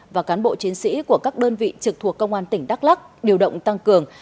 và cán bộ chiến sĩ của các đơn vị trực thuộc công an tỉnh đắk lắc điều động tăng cường